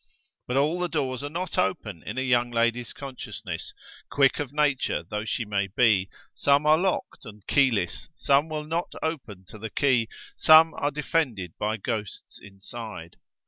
But all the doors are not open in a young lady's consciousness, quick of nature though she may be: some are locked and keyless, some will not open to the key, some are defended by ghosts inside.